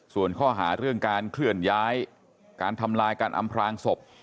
ส่วนข้อหาเรื่องการเคลื่อนย้ายการทำลายการอำพลางศพ